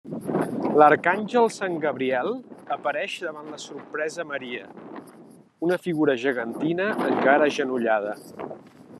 L'arcàngel sant Gabriel apareix davant la sorpresa Maria: una figura gegantina encara agenollada.